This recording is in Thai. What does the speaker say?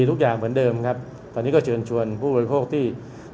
ทุกอย่างเหมือนเดิมครับตอนนี้ก็เชิญชวนผู้บริโภคที่